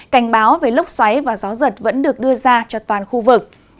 cảnh báo về lốc xoáy và gió giật vẫn được đưa ra cho toàn khu vực